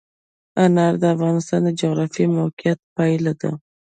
انار د افغانستان د جغرافیایي موقیعت پایله ده.